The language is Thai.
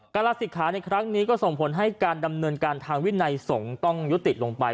ลาศิกขาในครั้งนี้ก็ส่งผลให้การดำเนินการทางวินัยสงฆ์ต้องยุติลงไป